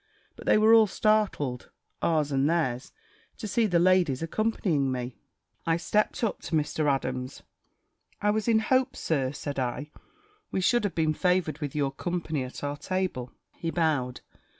But they were all startled, ours and theirs, to see the ladies accompanying me. I stept up to Mr. Adams. "I was in hopes. Sir," said I, "we should have been favoured with your company at our table." He bowed.